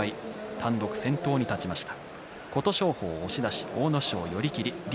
単独先頭に立ちました。